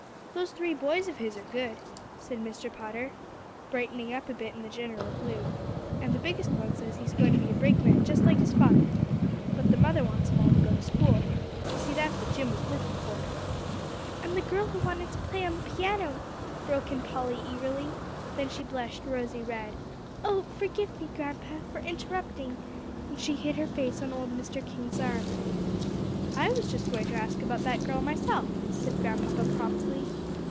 "Those three boys of his are good," said Mr. Potter, brightening up a bit in the general gloom; "and the biggest one says he's going to be a brakeman just like his father. But the mother wants 'em all to go to school. You see, that's what Jim was working for." "And the girl who wanted to play on the piano?" broke in Polly eagerly. Then she blushed rosy red. "Oh, forgive me, Grandpapa, for interrupting," and she hid her face on old Mr. King's arm. "I was just going to ask about that girl, myself," said Grandpapa promptly.